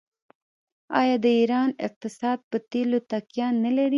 آیا د ایران اقتصاد په تیلو تکیه نلري؟